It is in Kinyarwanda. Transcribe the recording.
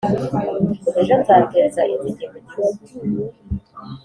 Ejo nzateza inzige mu gihugu